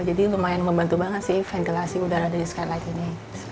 jadi lumayan membantu banget sih ventilasi udara dari skylight ini